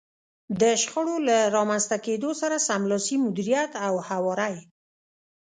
د شخړو له رامنځته کېدو سره سملاسي مديريت او هواری.